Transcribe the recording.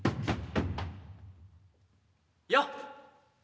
よっ。